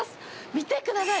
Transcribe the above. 見てください。